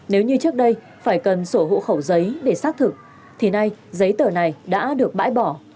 nếu như trước đây phải cần sổ hộ khẩu giấy để xác thực thì nay giấy tờ này đã được bãi bỏ